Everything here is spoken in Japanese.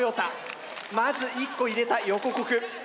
まず１個入れた横国。